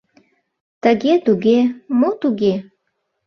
Тыге-туге, мо туге?